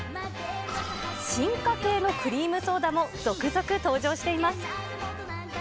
進化系のクリームソーダも続々登場しています。